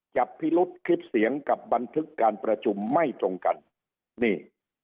จับพิรุษคลิปเสียงกับบันทึกการประชุมไม่ตรงกันนี่